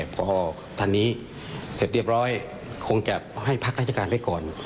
พอทันนี้เสร็จเรียบร้อยคงจะให้พักราชการไว้ก่อน